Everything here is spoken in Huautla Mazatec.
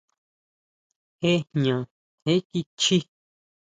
Jé jña jé kichjí.